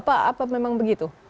apa memang begitu